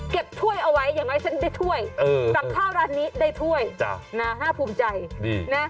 เก็บถ้วยเอาไว้อย่างไงฉันได้ถ้วยกลับข้าวร้านนี้ได้ถ้วยน่าภูมิใจ